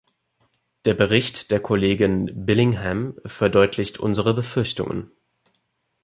Der Bericht der Kollegin Billingham verdeutlicht unsere Befürchtungen.